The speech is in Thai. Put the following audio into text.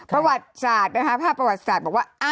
ประวัติศาสตร์นะคะภาพประวัติศาสตร์บอกว่า